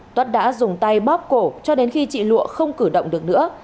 tuất đã dùng tay bóp cổ cho đến khi chị lụa không cử động được nữa